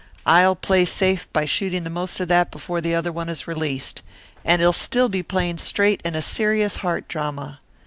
I'll play safe by shooting the most of that before the other one is released. And he'll still be playing straight in a serious heart drama.